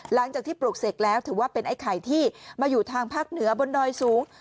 หลังจากที่ปลูกเสกแล้วถือว่าเป็นไอ้ไข่ที่มาอยู่ทางภาคเหนือบนดอยสูง